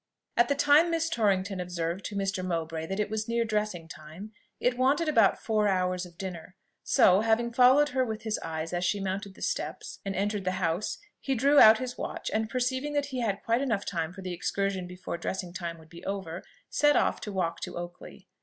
At the time Miss Torrington observed to Mr. Mowbray that it was near dressing time, it wanted about four hours of dinner; so, having followed her with his eyes as she mounted the steps and entered the house, he drew out his watch, and perceiving that he had quite enough time for the excursion before "dressing time" would be over, set off to walk to Oakley.